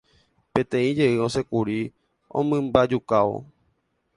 Peteĩ jey osẽkuri omymbajukávo.